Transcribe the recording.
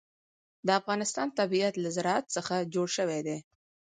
د افغانستان طبیعت له زراعت څخه جوړ شوی دی.